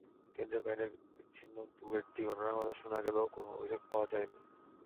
কেন্দ্রের বাইরে বিচ্ছিন্ন দু-একটি ঘটনার কথা শোনা গেলেও কোনো অভিযোগ পাওয়া যায়নি।